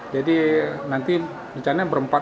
jadi nanti rencananya berempat